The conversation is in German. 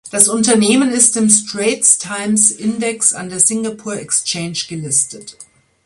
Das Unternehmen ist im Straits Times Index an der Singapore Exchange gelistet.